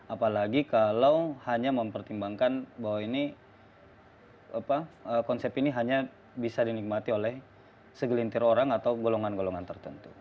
apalagi kalau hanya mempertimbangkan bahwa ini konsep ini hanya bisa dinikmati oleh segelintir orang atau golongan golongan tertentu